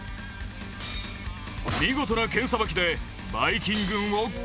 見事な剣さばきでバイ菌軍を撃退。